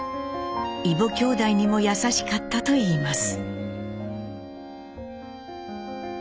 異母きょうだいにも優しかったといいます。